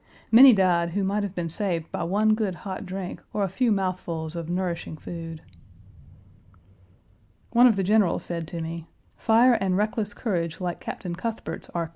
Many died who might have been saved by one good hot drink or a few mouthfuls of nourishing food. One of the generals said to me: "Fire and reckless courage like Captain Cuthbert's are contagious; such men in an 1.